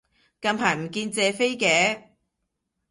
近排唔見謝飛嘅